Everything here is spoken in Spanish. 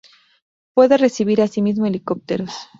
Puede recibir asimismo helicópteros.